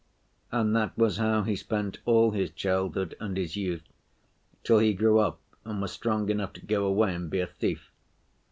And that was how he spent all his childhood and his youth, till he grew up and was strong enough to go away and be a thief.